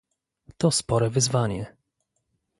To spore wyzwanie